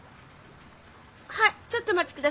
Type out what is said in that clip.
はいちょっとお待ちください。